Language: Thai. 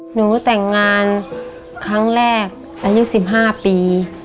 หนูแต่งงานครั้งแรกอายุ๑๕ปี